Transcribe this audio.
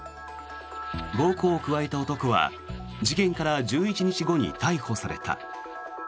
暴行を加えた男は事件から１１日後に逮捕された。